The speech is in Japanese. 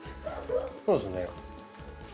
そうですね。